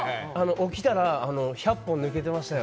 起きたら１００本抜けていましたよ。